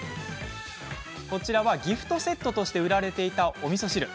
こちらは、ギフトセットとして売られていたおみそ汁。